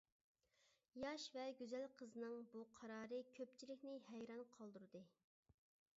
ياش ۋە گۈزەل قىزنىڭ بۇ قارارى كۆپچىلىكنى ھەيران قالدۇردى.